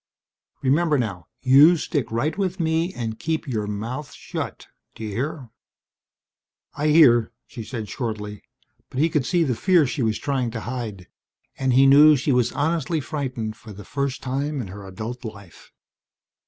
Remember now you stick right with me and keep your mouth shut, d'you hear?" "I hear," she said shortly. But he could see the fear she was trying to hide and he knew she was honestly frightened for the first time in her adult life.